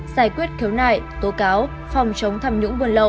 giải quyết khiếu nại tố cáo phòng chống thầm nhũng buồn lậu